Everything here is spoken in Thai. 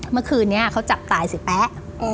เมื่อคืนนี้เขาจับตายเสียแป๊ะ